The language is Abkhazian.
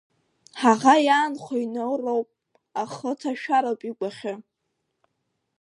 Ҳаӷа иаанхо инауроуп, ахы ҭашәароуп игәахы!